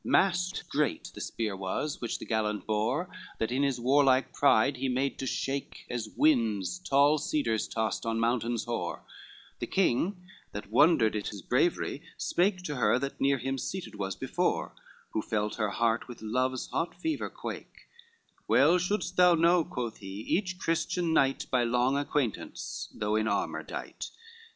XVII Mast great the spear was which the gallant bore That in his warlike pride he made to shake, As winds tall cedars toss on mountains hoar: The king, that wondered at his bravery, spake To her, that near him seated was before, Who felt her heart with love's hot fever quake, "Well shouldst thou know," quoth he, "each Christian knight, By long acquaintance, though in armor dight.